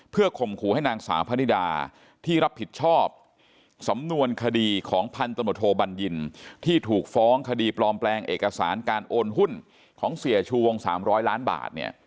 เพื่อข่มขู่ให้นางสาวพนิดาที่รับผิดชอบสำนวนคดีของพันธมตโทบัญญินที่ถูกฟ้องคดีปลอมแปลงเอกสารการโอนหุ้นของเสียชูวง๓๐๐ล้านบาทเนี่ย